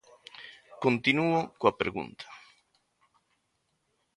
Continúo coa pregunta.